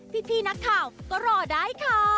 พี่นักข่าวก็รอได้ค่ะ